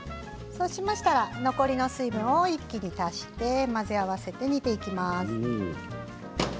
そうしたら残りの水分を一気に足して混ぜ合わせて煮ていきます。